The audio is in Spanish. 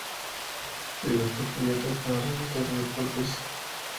Ilustró cubiertas para revistas de deportes.